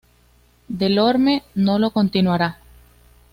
Delorme no lo continuará.